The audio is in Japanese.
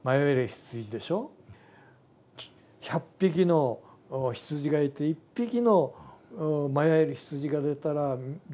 １００匹の羊がいて１匹の迷える羊が出たらどうするか。